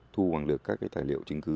thu hoàng lược các cái tài liệu chứng cứ